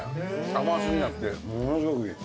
甘過ぎなくてものすごくいい。